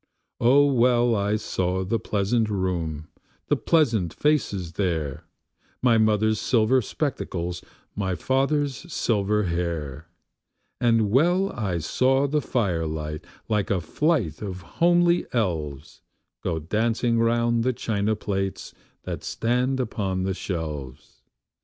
O well I saw the pleasant room, the pleasant faces there, My mother's silver spectacles, my father's silver hair; And well I saw the firelight, like a flight of homely elves, Go dancing round the china plates that stand upon the shelves.